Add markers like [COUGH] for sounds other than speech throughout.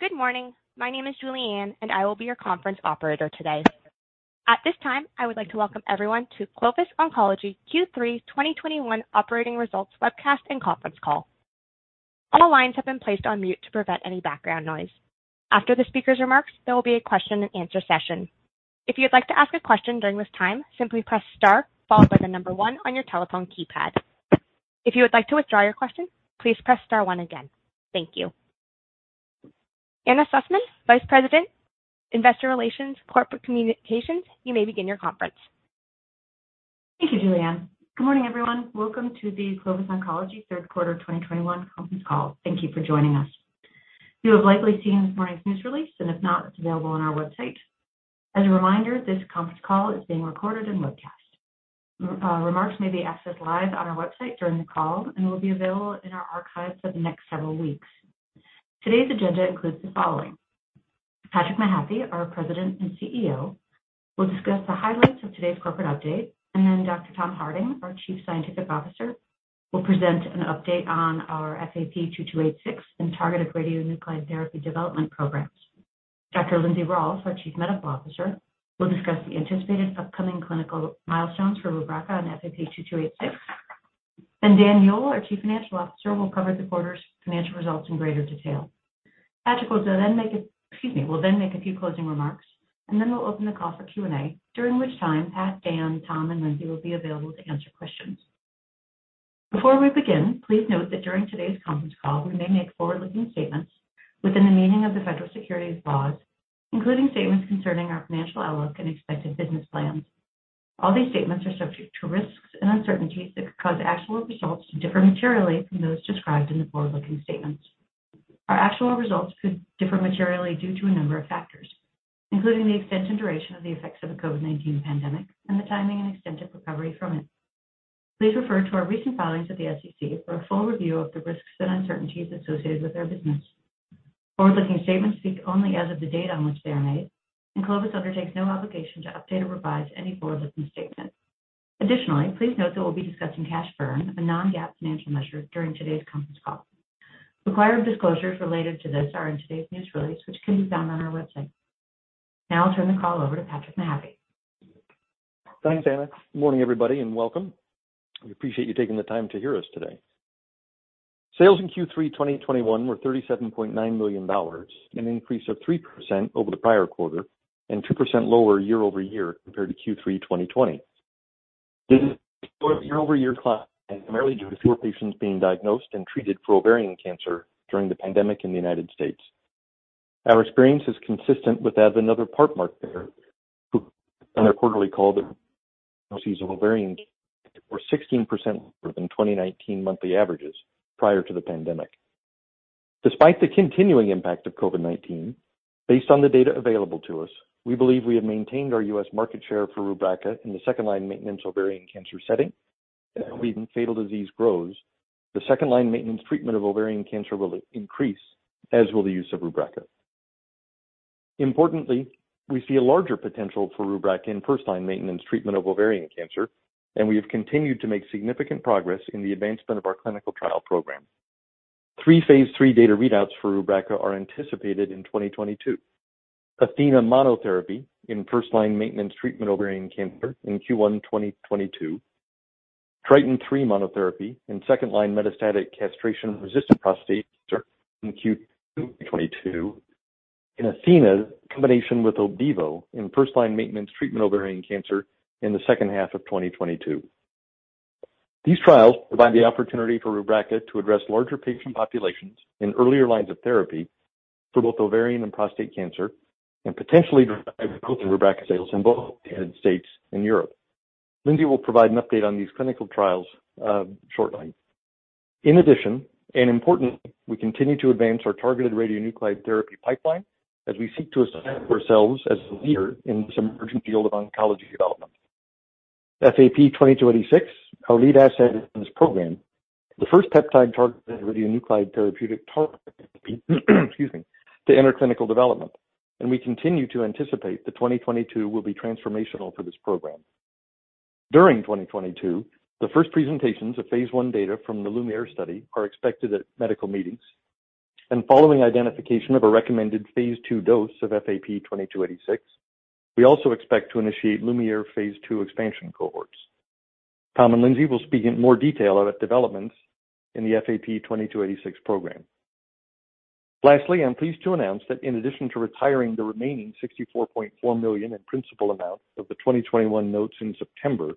Good morning. My name is Julianne, and I will be your conference operator today. At this time, I would like to welcome everyone to Clovis Oncology Q3 2021 operating results webcast and conference call. All lines have been placed on mute to prevent any background noise. After the speaker's remarks, there will be a question and answer session. If you'd like to ask a question during this time, simply press star followed by the number one on your telephone keypad. If you would like to withdraw your question, please press star one again. Thank you. Anna Sussman, Vice President, Investor Relations, Corporate Communications, you may begin your conference. Thank you, Julianne. Good morning, everyone. Welcome to the Clovis Oncology Q3 2021 conference call. Thank you for joining us. You have likely seen this morning's news release, and if not, it's available on our website. As a reminder, this conference call is being recorded and webcast. Remarks may be accessed live on our website during the call and will be available in our archives for the next several weeks. Today's agenda includes the following. Patrick Mahaffy, our President and CEO, will discuss the highlights of today's corporate update, and then Dr. Tom Harding, our Chief Scientific Officer, will present an update on our FAP-2286 and targeted radionuclide therapy development programs. Dr. Lindsey Rolfe, our Chief Medical Officer, will discuss the anticipated upcoming clinical milestones for Rubraca and FAP-2286. Dan Muehl, our Chief Financial Officer, will cover the quarter's financial results in greater detail. Patrick will then make a few closing remarks, and then we'll open the call for Q&A, during which time Pat, Dan, Tom, and Lindsey will be available to answer questions. Before we begin, please note that during today's conference call, we may make forward-looking statements within the meaning of the federal securities laws, including statements concerning our financial outlook and expected business plans. All these statements are subject to risks and uncertainties that could cause actual results to differ materially from those described in the forward-looking statements. Our actual results could differ materially due to a number of factors, including the extent and duration of the effects of the COVID-19 pandemic and the timing and extent of recovery from it. Please refer to our recent filings with the SEC for a full review of the risks and uncertainties associated with our business. Forward-looking statements speak only as of the date on which they are made, and Clovis undertakes no obligation to update or revise any forward-looking statements. Additionally, please note that we'll be discussing cash burn, a non-GAAP financial measure, during today's conference call. Required disclosures related to this are in today's news release, which can be found on our website. Now I'll turn the call over to Patrick Mahaffy. Thanks, Anna. Good morning, everybody, and welcome. We appreciate you taking the time to hear us today. Sales in Q3 2021 were $37.9 million, an increase of 3% over the prior quarter and 2% lower year-over-year compared to Q3 2020. This year-over-year decline is primarily due to fewer patients being diagnosed and treated for ovarian cancer during the pandemic in the United States. Our experience is consistent with that of another partner out there who, on their quarterly call, said that ovarian diagnoses were 16% lower than 2019 monthly averages prior to the pandemic. Despite the continuing impact of COVID-19, based on the data available to us, we believe we have maintained our U.S. market share for Rubraca in the second-line maintenance ovarian cancer setting. As the fatal disease grows, the second-line maintenance treatment of ovarian cancer will increase, as will the use of Rubraca. Importantly, we see a larger potential for Rubraca in first-line maintenance treatment of ovarian cancer, and we have continued to make significant progress in the advancement of our clinical trial program. Three phase III data readouts for Rubraca are anticipated in 2022. ATHENA monotherapy in first-line maintenance treatment of ovarian cancer in Q1 2022. TRITON3 monotherapy in second-line metastatic castration-resistant prostate cancer in Q2 2022. ATHENA's combination with Opdivo in first-line maintenance treatment of ovarian cancer in the second half of 2022. These trials provide the opportunity for Rubraca to address larger patient populations in earlier lines of therapy for both ovarian and prostate cancer and potentially Rubraca sales in both United States and Europe. Lindsey will provide an update on these clinical trials shortly. In addition, and importantly, we continue to advance our targeted radionuclide therapy pipeline as we seek to establish ourselves as the leader in this emerging field of oncology development. FAP-2286, our lead asset in this program, the first peptide targeted radionuclide therapeutic, excuse me, to enter clinical development, and we continue to anticipate that 2022 will be transformational for this program. During 2022, the first presentations of phase I data from the LuMIERE study are expected at medical meetings. Following identification of a recommended phase II dose of FAP-2286, we also expect to initiate LuMIERE phase II expansion cohorts. Tom and Lindsey will speak in more detail about developments in the FAP-2286 program. Lastly, I'm pleased to announce that in addition to retiring the remaining $64.4 million in principal amount of the 2021 notes in September,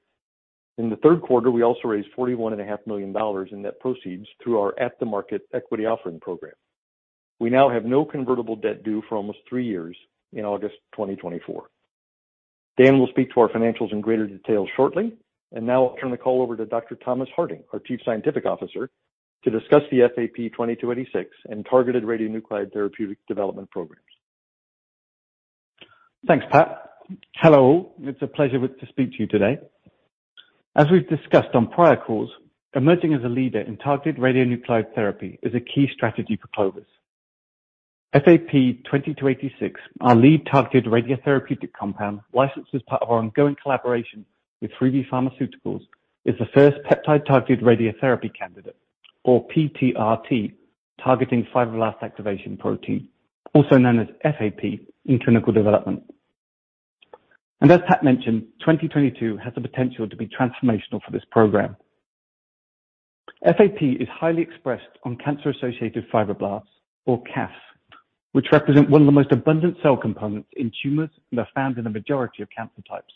in the Q3, we also raised $41 and a half million in net proceeds through our at-the-market equity offering program. We now have no convertible debt due for almost three years in August 2024. Dan will speak to our financials in greater detail shortly. Now I'll turn the call over to Dr. Thomas Harding, our Chief Scientific Officer, to discuss the FAP-2286 and targeted radionuclide therapeutic development programs. Thanks, Pat. Hello. It's a pleasure to speak to you today. As we've discussed on prior calls, emerging as a leader in targeted radionuclide therapy is a key strategy for Clovis. FAP-2286, our lead targeted radiotherapeutic compound licensed as part of our ongoing collaboration with 3B Pharmaceuticals, is the first peptide targeted radiotherapy candidate or PTRT, targeting fibroblast activation protein, also known as FAP in clinical development. As Pat mentioned, 2022 has the potential to be transformational for this program. FAP is highly expressed on cancer-associated fibroblasts or CAFs, which represent one of the most abundant cell components in tumors and are found in the majority of cancer types.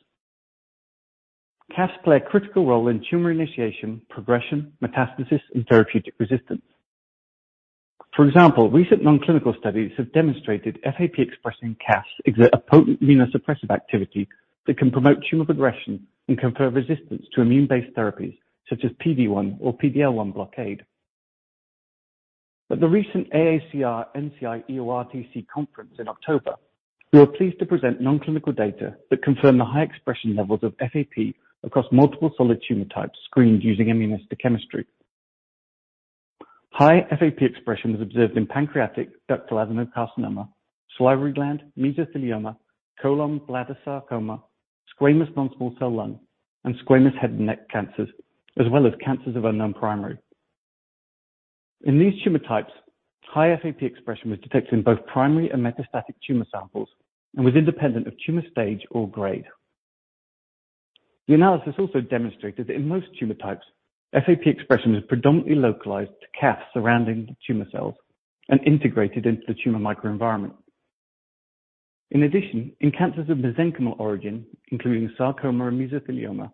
CAFs play a critical role in tumor initiation, progression, metastasis and therapeutic resistance. For example, recent non-clinical studies have demonstrated FAP expressing CAFs exert a potent immunosuppressive activity that can promote tumor progression and confer resistance to immune-based therapies such as PD-1 or PD-L1 blockade. At the recent AACR-NCI-EORTC conference in October, we were pleased to present non-clinical data that confirmed the high expression levels of FAP across multiple solid tumor types screened using immunohistochemistry. High FAP expression was observed in pancreatic ductal adenocarcinoma, salivary gland, mesothelioma, colon, bladder, sarcoma, squamous non-small cell lung, and squamous head and neck cancers, as well as cancers of unknown primary. In these tumor types, high FAP expression was detected in both primary and metastatic tumor samples and was independent of tumor stage or grade. The analysis also demonstrated that in most tumor types, FAP expression is predominantly localized to CAFs surrounding the tumor cells and integrated into the tumor microenvironment. In addition, in cancers of mesenchymal origin, including sarcoma and mesothelioma,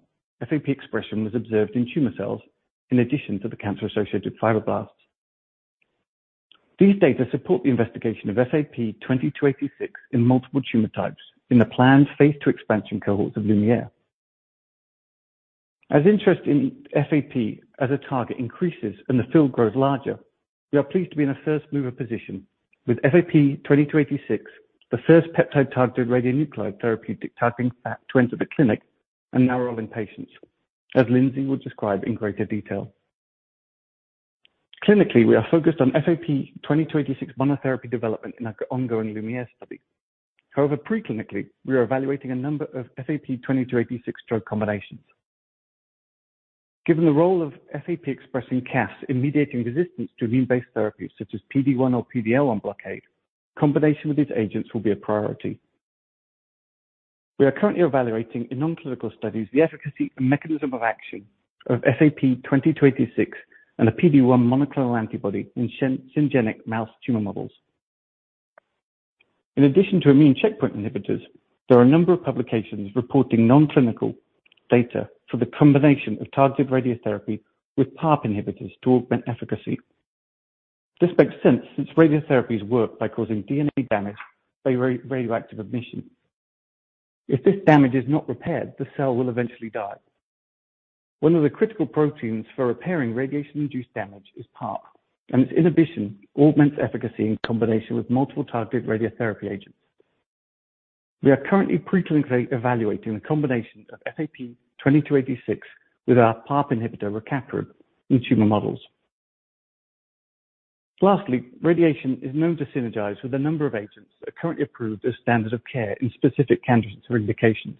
FAP expression was observed in tumor cells in addition to the cancer-associated fibroblasts. These data support the investigation of FAP-2286 in multiple tumor types in the planned phase II expansion cohorts of LuMIERE. As interest in FAP as a target increases and the field grows larger, we are pleased to be in a first-mover position with FAP-2286, the first peptide-targeted radionuclide therapeutic targeting FAP to enter the clinic and now enroll in patients, as Lindsey will describe in greater detail. Clinically, we are focused on FAP-2286 monotherapy development in our ongoing LuMIERE study. However, pre-clinically, we are evaluating a number of FAP-2286 drug combinations. Given the role of FAP-expressing CAFs in mediating resistance to immune-based therapies such as PD-1 or PD-L1 blockade, combination with these agents will be a priority. We are currently evaluating in nonclinical studies the efficacy and mechanism of action of FAP-2286 and a PD-1 monoclonal antibody in syngeneic mouse tumor models. In addition to immune checkpoint inhibitors, there are a number of publications reporting non-clinical data for the combination of targeted radiotherapy with PARP inhibitors to augment efficacy. This makes sense since radiotherapies work by causing DNA damage by radioactive emission. If this damage is not repaired, the cell will eventually die. One of the critical proteins for repairing radiation-induced damage is PARP, and its inhibition augments efficacy in combination with multiple targeted radiotherapy agents. We are currently pre-clinically evaluating a combination of FAP-2286 with our PARP inhibitor, rucaparib, in tumor models. Lastly, radiation is known to synergize with a number of agents that are currently approved as standard of care in specific cancers or indications.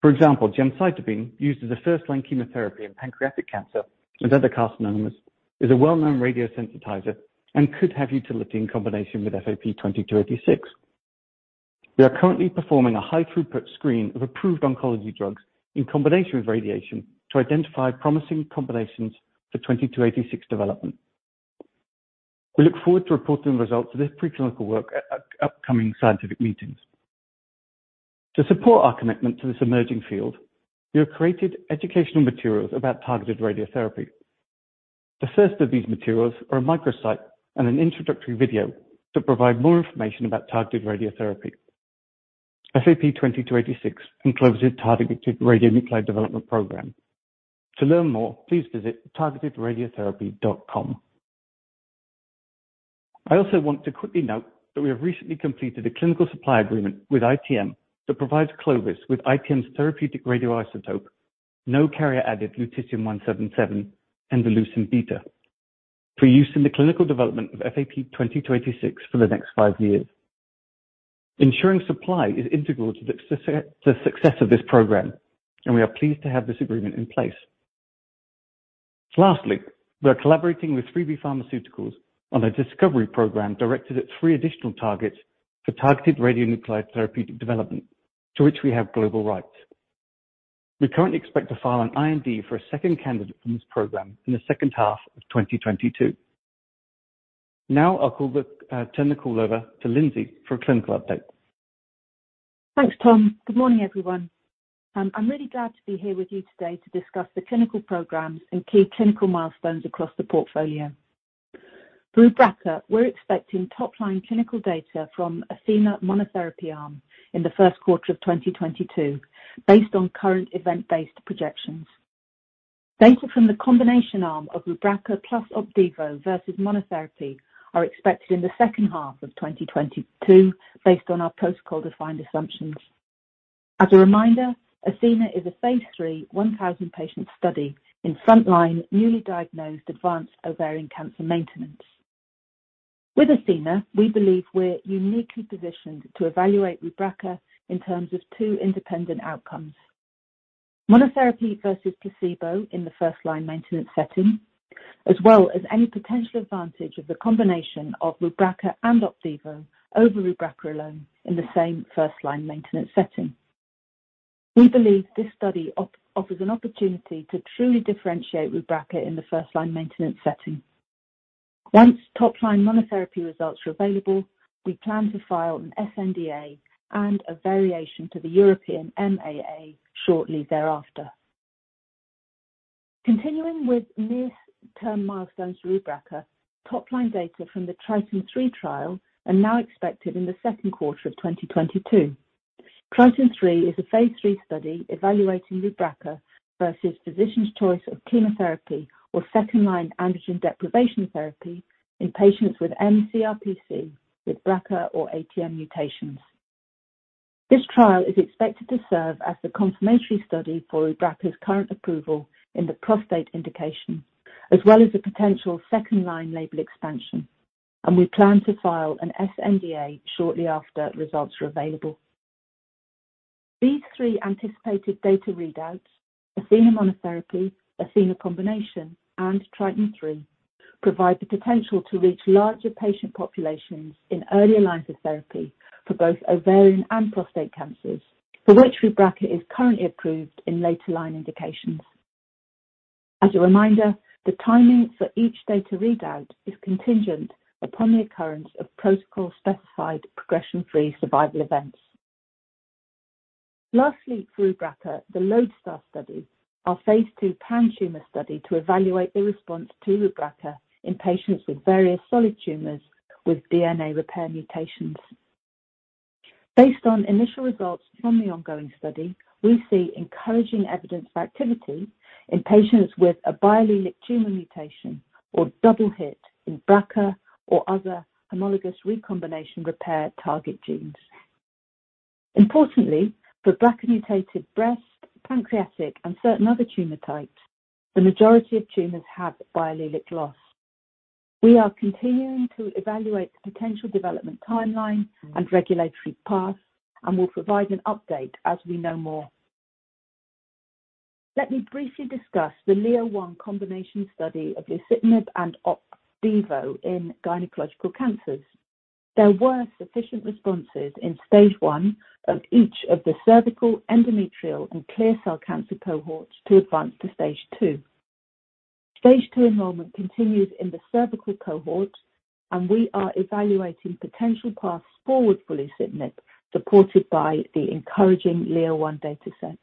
For example, gemcitabine, used as a first-line chemotherapy in pancreatic cancer and other carcinomas, is a well-known radiosensitizer and could have utility in combination with FAP-2286. We are currently performing a high-throughput screen of approved oncology drugs in combination with radiation to identify promising combinations for FAP-2286 development. We look forward to reporting the results of this pre-clinical work at upcoming scientific meetings. To support our commitment to this emerging field, we have created educational materials about targeted radiotherapy. The first of these materials are a microsite and an introductory video to provide more information about targeted radiotherapy, FAP-2286, and Clovis' targeted radionuclide development program. To learn more, please visit targetedradiotherapy.com. I also want to quickly note that we have recently completed a clinical supply agreement with ITM that provides Clovis with ITM's therapeutic radioisotope, no carrier added Lutetium-177 and EndolucinBeta, for use in the clinical development of FAP-2286 for the next five years. Ensuring supply is integral to the success of this program, and we are pleased to have this agreement in place. Lastly, we are collaborating with 3B Pharmaceuticals on a discovery program directed at three additional targets for targeted radionuclide therapeutic development, to which we have global rights. We currently expect to file an IND for a second candidate from this program in the second half of 2022. Now I'll turn the call over to Lindsey for a clinical update. Thanks, Tom. Good morning, everyone. I'm really glad to be here with you today to discuss the clinical programs and key clinical milestones across the portfolio. For Rubraca, we're expecting top-line clinical data from ATHENA monotherapy arm in the Q1 of 2022 based on current event-based projections. Data from the combination arm of Rubraca plus Opdivo versus monotherapy are expected in the second half of 2022 based on our protocol-defined assumptions. As a reminder, ATHENA is a phase III, 1,000-patient study in frontline, newly diagnosed advanced ovarian cancer maintenance. With ATHENA, we believe we're uniquely positioned to evaluate Rubraca in terms of two independent outcomes. Monotherapy versus placebo in the first-line maintenance setting, as well as any potential advantage of the combination of Rubraca and Opdivo over Rubraca alone in the same first-line maintenance setting. We believe this study offers an opportunity to truly differentiate Rubraca in the first-line maintenance setting. Once top-line monotherapy results are available, we plan to file an sNDA and a variation to the European MAA shortly thereafter. Continuing with near-term milestones for Rubraca, top-line data from the TRITON3 trial are now expected in the Q2 of 2022. TRITON3 is a phase III study evaluating Rubraca versus physician's choice of chemotherapy or second-line androgen deprivation therapy in patients with mCRPC with BRCA or ATM mutations. This trial is expected to serve as the confirmatory study for Rubraca's current approval in the prostate indication, as well as the potential second-line label expansion, and we plan to file an sNDA shortly after results are available. These three anticipated data readouts, ATHENA monotherapy, ATHENA combination, and TRITON3, provide the potential to reach larger patient populations in earlier lines of therapy for both ovarian and prostate cancers, for which Rubraca is currently approved in later line indications. As a reminder, the timing for each data readout is contingent upon the occurrence of protocol-specified progression-free survival events. Lastly, for Rubraca, the LODESTAR study, our phase II pan-tumor study to evaluate the response to Rubraca in patients with various solid tumors with DNA repair mutations. Based on initial results from the ongoing study, we see encouraging evidence for activity in patients with a biallelic tumor mutation or double hit in BRCA or other homologous recombination repair target genes. Importantly, for BRCA-mutated breast, pancreatic, and certain other tumor types, the majority of tumors have biallelic loss. We are continuing to evaluate the potential development timeline and regulatory path and will provide an update as we know more. Let me briefly discuss the LIO-1 combination study of lucitanib and Opdivo in gynecologic cancers. There were sufficient responses in stage one of each of the cervical, endometrial, and clear cell cancer cohorts to advance to stage two. Stage two enrollment continues in the cervical cohort, and we are evaluating potential paths forward for lucitanib supported by the encouraging LIO-1 data set.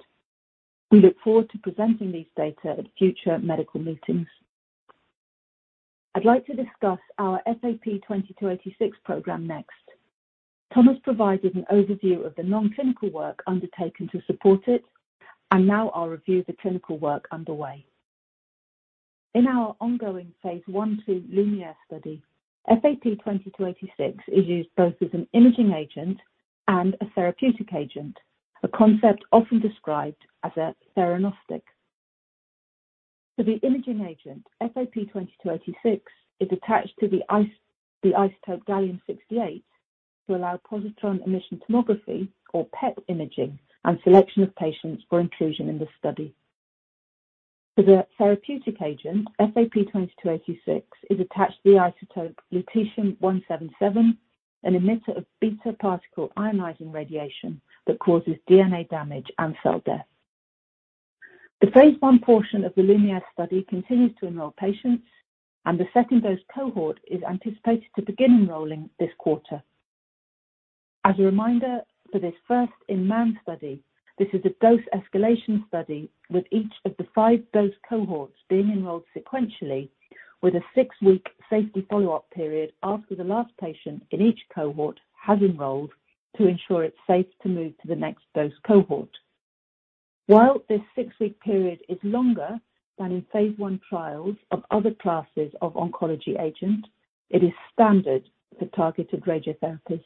We look forward to presenting these data at future medical meetings. I'd like to discuss our FAP-2286 program next. Thomas provided an overview of the non-clinical work undertaken to support it, and now I'll review the clinical work underway. In our ongoing phase I/II LuMIERE study, FAP-2286 is used both as an imaging agent and a therapeutic agent. A concept often described as a theranostic. For the imaging agent, FAP-2286 is attached to the isotope Gallium-68 to allow positron emission tomography or PET imaging and selection of patients for inclusion in the study. For the therapeutic agent, FAP-2286 is attached to the isotope Lutetium-177, an emitter of beta particle ionizing radiation that causes DNA damage and cell death. The phase I portion of the LuMIERE study continues to enroll patients, and the second dose cohort is anticipated to begin enrolling this quarter. As a reminder for this first in human study, this is a dose escalation study with each of the five dose cohorts being enrolled sequentially with a six week safety follow-up period after the last patient in each cohort has enrolled to ensure it's safe to move to the next dose cohort. While this six-week period is longer than in phase I trials of other classes of oncology agent, it is standard for targeted radiotherapies.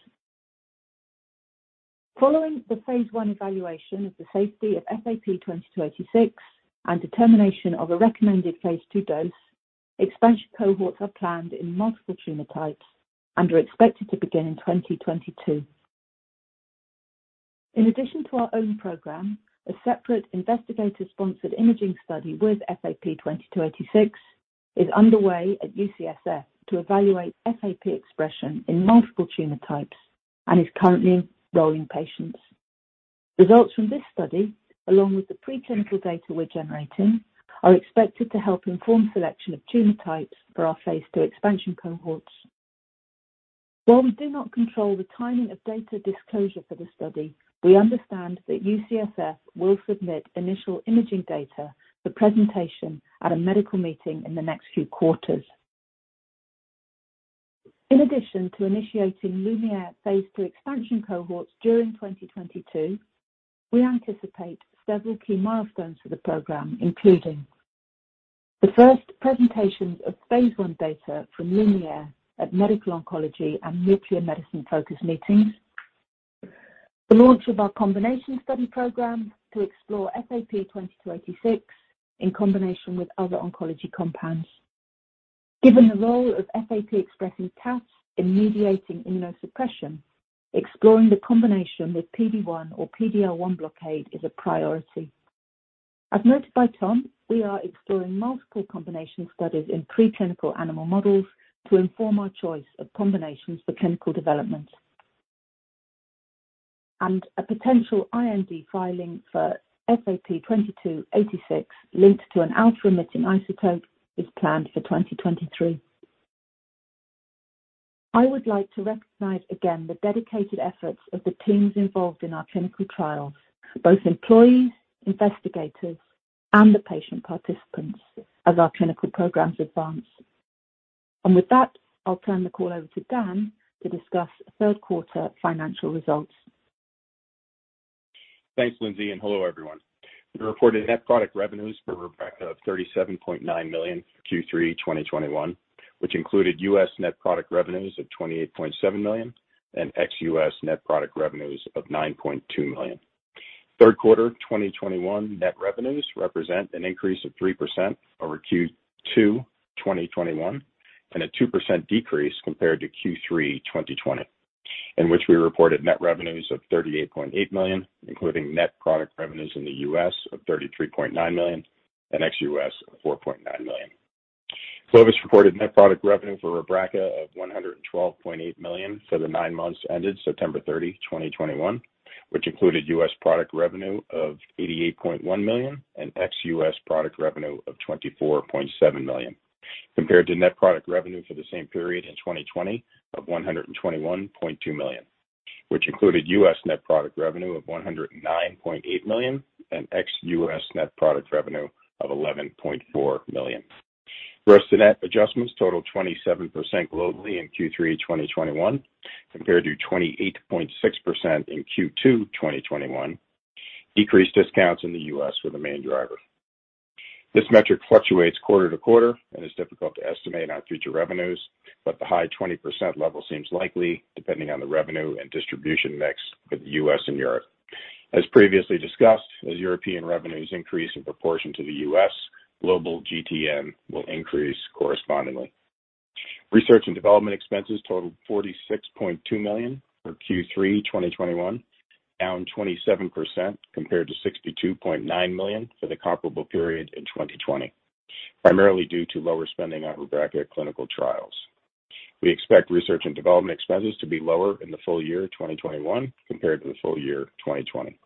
Following the phase I evaluation of the safety of FAP-2286 and determination of a recommended phase II dose, expansion cohorts are planned in multiple tumor types and are expected to begin in 2022. In addition to our own program, a separate investigator-sponsored imaging study with FAP-2286 is underway at UCSF to evaluate FAP expression in multiple tumor types and is currently enrolling patients. Results from this study, along with the preclinical data we're generating, are expected to help inform selection of tumor types for our phase II expansion cohorts. While we do not control the timing of data disclosure for the study, we understand that UCSF will submit initial imaging data for presentation at a medical meeting in the next few quarters. In addition to initiating LuMIERE phase II expansion cohorts during 2022, we anticipate several key milestones for the program, including. The first presentations of phase I data from LuMIERE at medical oncology and nuclear medicine focus meetings. The launch of our combination study program to explore FAP-2286 in combination with other oncology compounds. Given the role of FAP-expressing CAFs in mediating immunosuppression, exploring the combination with PD-1 or PD-L1 blockade is a priority. As noted by Tom, we are exploring multiple combination studies in preclinical animal models to inform our choice of combinations for clinical development. A potential IND filing for FAP-2286 linked to an alpha-emitting isotope is planned for 2023. I would like to recognize again the dedicated efforts of the teams involved in our clinical trials, both employees, investigators, and the patient participants as our clinical programs advance. With that, I'll turn the call over to Dan to discuss Q3 financial results. Thanks, Lindsey, and hello, everyone. We reported net product revenues for Rubraca of $37.9 million for Q3 2021, which included U.S. net product revenues of $28.7 million and ex-U.S. net product revenues of $9.2 million. Q3 2021 net revenues represent an increase of 3% over Q2 2021 and a 2% decrease compared to Q3 2020, in which we reported net revenues of $38.8 million, including net product revenues in the U.S. of $33.9 million and ex-U.S. of $4.9 million. Clovis reported net product revenue for Rubraca of $112.8 million for the nine months ended September 30, 2021, which included U.S. product revenue of $88.1 million and ex-U.S. product revenue of $24.7 million, compared to net product revenue for the same period in 2020 of $121.2 million, which included U.S. net product revenue of $109.8 million and ex-U.S. net product revenue of $11.4 million. Gross-to-net adjustments totaled 27% globally in Q3 2021 compared to 28.6% in Q2 2021. Decreased discounts in the U.S. were the main driver. This metric fluctuates quarter to quarter and is difficult to estimate on future revenues, but the high 20% level seems likely depending on the revenue and distribution mix with the U.S. and Europe. As previously discussed, as European revenues increase in proportion to the U.S., global GTN will increase correspondingly. Research and development expenses totaled $46.2 million for Q3 2021, down 27% compared to $62.9 million for the comparable period in 2020, primarily due to lower spending on Rubraca clinical trials. We expect research and development expenses to be lower in the full year 2021 compared to the full year 2020.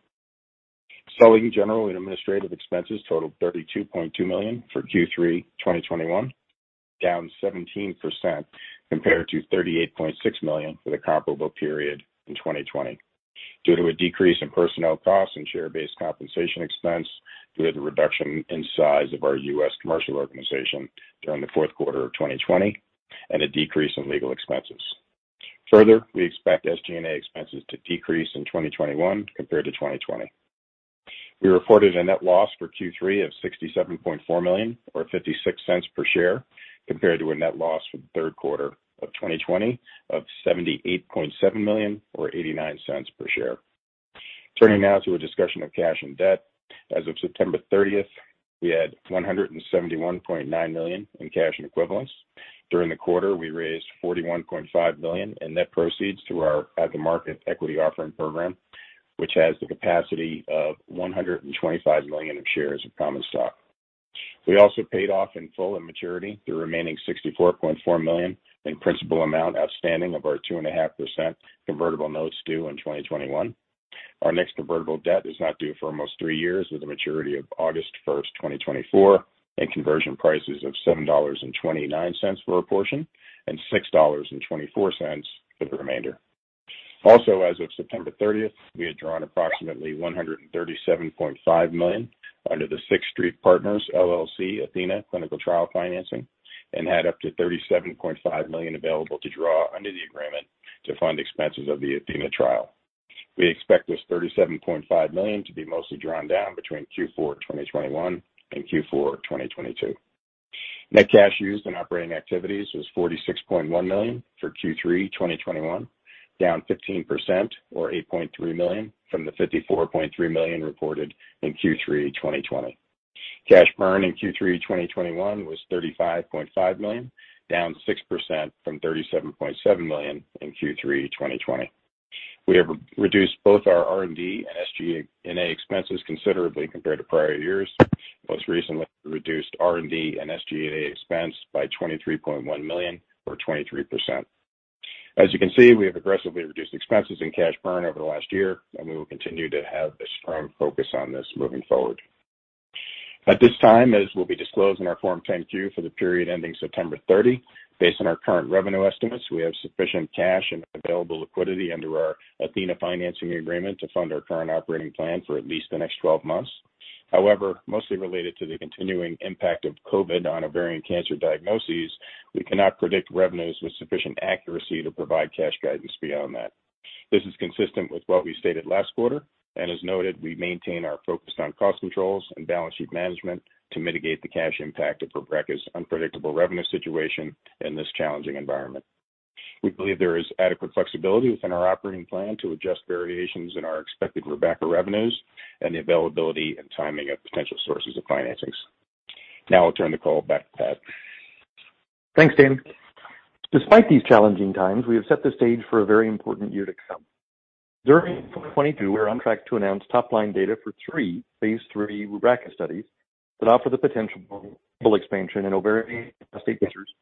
Selling, general, and administrative expenses totaled $32.2 million for Q3 2021, down 17% compared to $38.6 million for the comparable period in 2020 due to a decrease in personnel costs and share-based compensation expense due to the reduction in size of our U.S. commercial organization during the Q4 of 2020 and a decrease in legal expenses. Further, we expect SG&A expenses to decrease in 2021 compared to 2020. We reported a net loss for Q3 of $67.4 million or $0.56 per share, compared to a net loss for the Q3 of 2020 of $78.7 million or $0.89 per share. Turning now to a discussion of cash and debt. As of September 30, we had $171.9 million in cash and equivalents. During the quarter, we raised $41.5 million in net proceeds through our at-the-market equity offering program, which has the capacity of 125 million shares of common stock. We also paid off in full at maturity the remaining $64.4 million in principal amount outstanding of our 2.5% convertible notes due in 2021. Our next convertible debt is not due for almost three years, with a maturity of August 1, 2024, and conversion prices of $7.29 for a portion and $6.24 for the remainder. As of September 30, we had drawn approximately $137.5 million under the Sixth Street Partners, LLC ATHENA Clinical Trial Financing and had up to $37.5 million available to draw under the agreement to fund expenses of the ATHENA trial. We expect this $37.5 million to be mostly drawn down between Q4 2021 and Q4 2022. Net cash used in operating activities was $46.1 million for Q3 2021, down 15% or $8.3 million from the $54.3 million reported in Q3 2020. Cash burn in Q3 2021 was $35.5 million, down 6% from $37.7 million in Q3 2020. We have reduced both our R&D and SG&A expenses considerably compared to prior years. Most recently, we reduced R&D and SG&A expense by $23.1 million or 23%. As you can see, we have aggressively reduced expenses and cash burn over the last year, and we will continue to have a strong focus on this moving forward. At this time, as will be disclosed in our Form 10-Q for the period ending September 30, based on our current revenue estimates, we have sufficient cash and available liquidity under our ATHENA financing agreement to fund our current operating plan for at least the next twelve months. However, mostly related to the continuing impact of COVID on ovarian cancer diagnoses, we cannot predict revenues with sufficient accuracy to provide cash guidance beyond that. This is consistent with what we stated last quarter, and as noted, we maintain our focus on cost controls and balance sheet management to mitigate the cash impact of Rubraca's unpredictable revenue situation in this challenging environment. We believe there is adequate flexibility within our operating plan to adjust variations in our expected Rubraca revenues and the availability and timing of potential sources of financings. Now I'll turn the call back to Pat. Thanks, Dan. Despite these challenging times, we have set the stage for a very important year to come. During 2022, we are on track to announce top-line data for three phase III Rubraca studies that offer the potential for label expansion in ovarian cancer patients,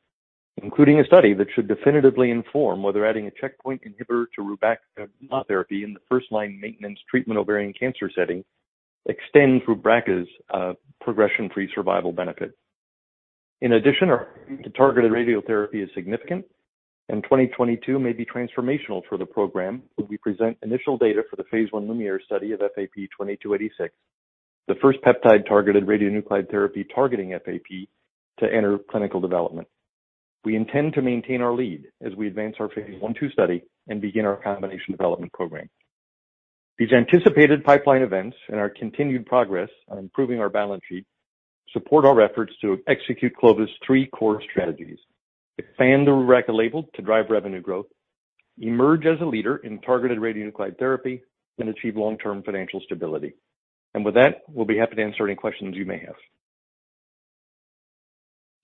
including a study that should definitively inform whether adding a checkpoint inhibitor to Rubraca monotherapy in the first line maintenance treatment ovarian cancer setting extend Rubraca's progression-free survival benefit. In addition, our targeted radiotherapy is significant, and 2022 may be transformational for the program when we present initial data for the phase I LUMIERE study of FAP-2286, the first peptide-targeted radionuclide therapy targeting FAP to enter clinical development. We intend to maintain our lead as we advance our phase I/II study and begin our combination development program. These anticipated pipeline events and our continued progress on improving our balance sheet support our efforts to execute Clovis' three core strategies, expand the Rubraca label to drive revenue growth, emerge as a leader in targeted radionuclide therapy, and achieve long-term financial stability. With that, we'll be happy to answer any questions you may have.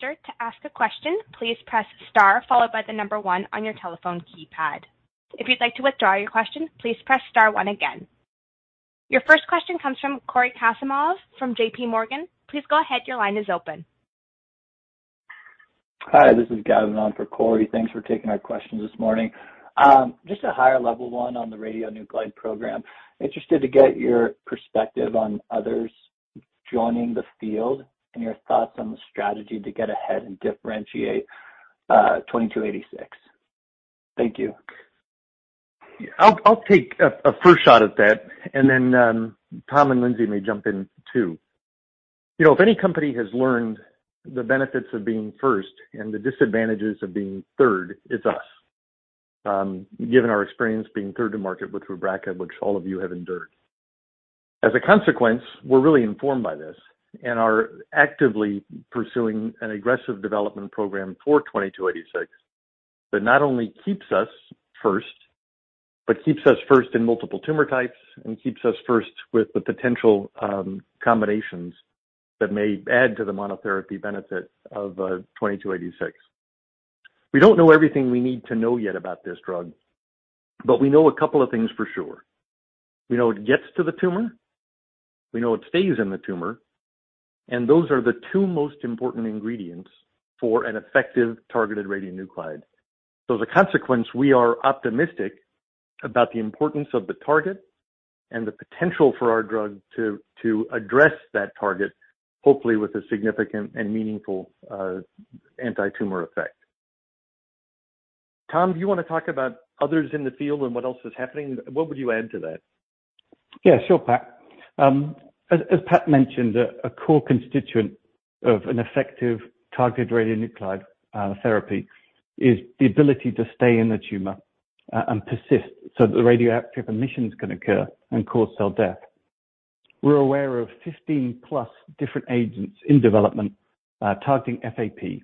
To ask a question, please press star followed by the number one on your telephone keypad. If you'd like to withdraw your question, please press star one again. Your first question comes from Cory Kasimov from JPMorgan. Please go ahead. Your line is open. Hi, this is Gavin on for Cory. Thanks for taking our questions this morning. Just a higher level one on the radionuclide program. Interested to get your perspective on others joining the field and your thoughts on the strategy to get ahead and differentiate 2286. Thank you. I'll take a first shot at that, and then Tom and Lindsey may jump in too. You know, if any company has learned the benefits of being first and the disadvantages of being third, it's us, given our experience being third to market with Rubraca, which all of you have endured. As a consequence, we're really informed by this and are actively pursuing an aggressive development program for 2286 that not only keeps us first but keeps us first in multiple tumor types and keeps us first with the potential combinations that may add to the monotherapy benefit of 2286. We don't know everything we need to know yet about this drug, but we know a couple of things for sure. We know it gets to the tumor, we know it stays in the tumor, and those are the two most important ingredients for an effective targeted radionuclide. As a consequence, we are optimistic about the importance of the target and the potential for our drug to address that target, hopefully with a significant and meaningful antitumor effect. Tom, do you wanna talk about others in the field and what else is happening? What would you add to that? Yeah, sure, Pat. As Pat mentioned, a core constituent of an effective targeted radionuclide therapy is the ability to stay in the tumor and persist so that the radioactive emissions can occur and cause cell death. We're aware of 15+ different agents in development targeting FAP.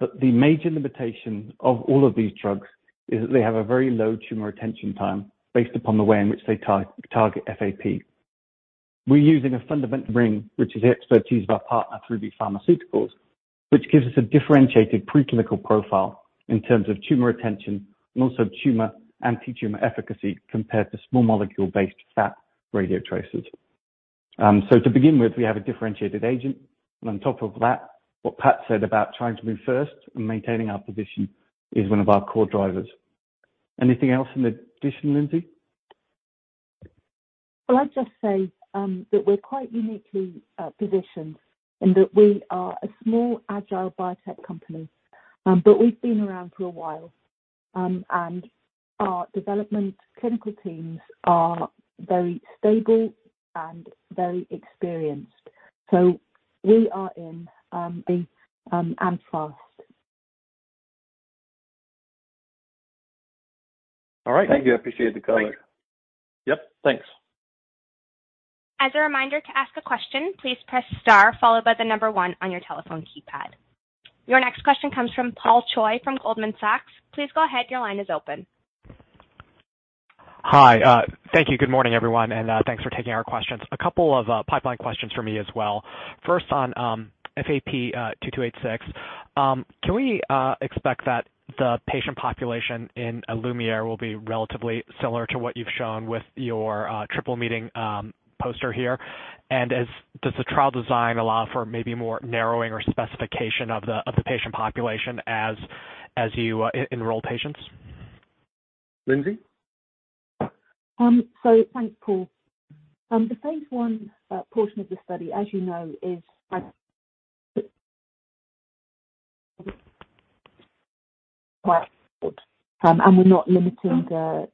But the major limitation of all of these drugs is that they have a very low tumor retention time based upon the way in which they target FAP. We're using a fundamental ring, which is the expertise of our partner, 3B Pharmaceuticals, which gives us a differentiated preclinical profile in terms of tumor retention and also tumor anti-tumor efficacy compared to small molecule-based FAP radiotracers. To begin with, we have a differentiated agent. On top of that, what Pat said about trying to move first and maintaining our position is one of our core drivers. Anything else in addition, Lindsey? Well, I'd just say that we're quite uniquely positioned in that we are a small, agile biotech company. We've been around for a while, and our development clinical teams are very stable and very experienced. We are in and fast. All right. Thank you. I appreciate the color. Yep. Thanks. As a reminder, to ask a question, please press star followed by the number one on your telephone keypad. Your next question comes from Paul Choi from Goldman Sachs. Please go ahead. Your line is open. Hi. Thank you. Good morning, everyone, and thanks for taking our questions. A couple of pipeline questions for me as well. First on FAP-2286, can we expect that the patient population in LuMIERE will be relatively similar to what you've shown with your triple meeting poster here? Does the trial design allow for maybe more narrowing or specification of the patient population as you enroll patients? Lindsey? Thanks, Paul. The phase I portion of the study, as you know, is, and [AUDIO DISTORTION] we're not limiting the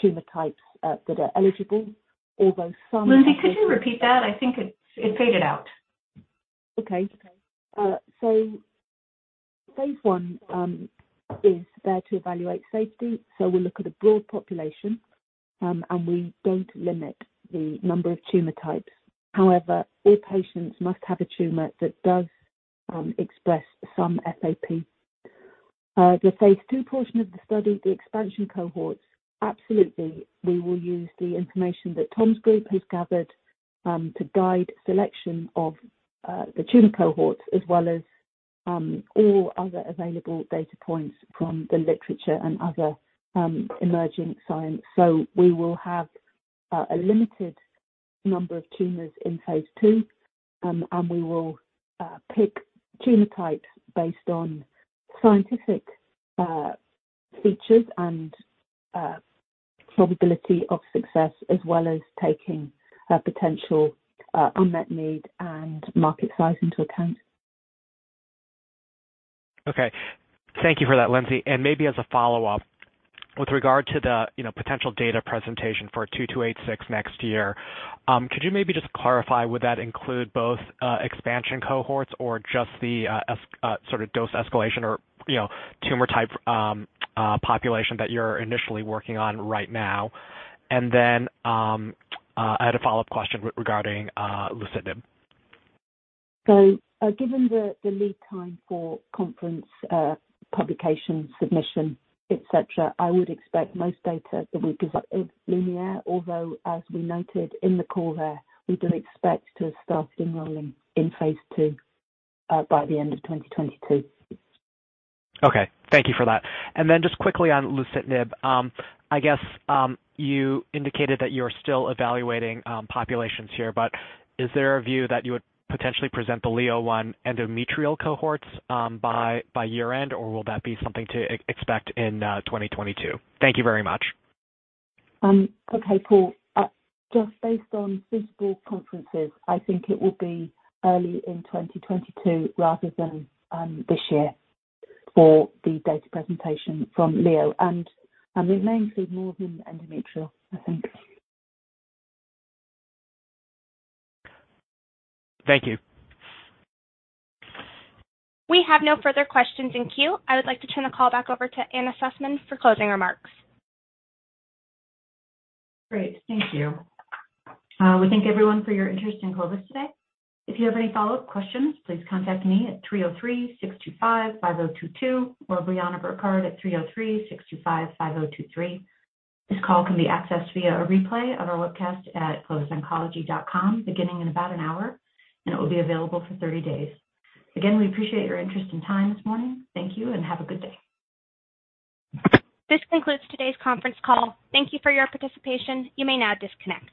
tumor types that are eligible, although some- Lindsey, could you repeat that? I think it faded out. Phase I is there to evaluate safety. We look at a broad population, and we don't limit the number of tumor types. However, all patients must have a tumor that does express some FAP. The phase II portion of the study, the expansion cohorts, absolutely, we will use the information that Tom's group has gathered to guide selection of the tumor cohorts as well as all other available data points from the literature and other emerging science. We will have a limited number of tumors in phase II. And we will pick tumor types based on scientific features and probability of success, as well as taking potential unmet need and market size into account. Okay. Thank you for that, Lindsey. Maybe as a follow-up, with regard to the, you know, potential data presentation for 2286 next year, could you maybe just clarify, would that include both, expansion cohorts or just the, sort of dose escalation or, you know, tumor type, population that you're initially working on right now? Then, I had a follow-up question regarding lucitanib. Given the lead time for conference publication submission, et cetera, I would expect most data that we develop in LuMIERE, although as we noted in the call there, we do expect to have started enrolling in phase II by the end of 2022. Okay. Thank you for that. Then just quickly on lucitanib. I guess you indicated that you're still evaluating populations here, but is there a view that you would potentially present the LIO-1 endometrial cohorts by year-end, or will that be something to expect in 2022? Thank you very much. Okay, Paul. Just based on physical conferences, I think it will be early in 2022 rather than this year for the data presentation from LuMIERE. We may include more than endometrial, I think. Thank you. We have no further questions in queue. I would like to turn the call back over to Anna Sussman for closing remarks. Great. Thank you. We thank everyone for your interest in Clovis today. If you have any follow-up questions, please contact me at 303-625-5022 or Breanna Burkart at 303-625-5023. This call can be accessed via a replay on our webcast at clovisoncology.com beginning in about an hour, and it will be available for 30 days. Again, we appreciate your interest and time this morning. Thank you and have a good day. This concludes today's conference call. Thank you for your participation. You may now disconnect.